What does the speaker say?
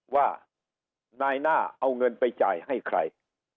ว่านายหน้าเอาเงินไปจ่ายให้ใคร